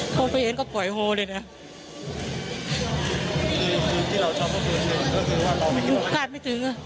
โฟเฟเนต์ก็ป่วยโฮเลยนะ